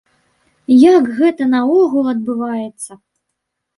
Як гэта наогул адбываецца?